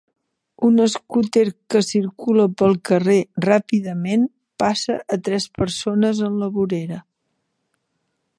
Un escúter que circula pel carrer ràpidament passa a tres persones en la vorera.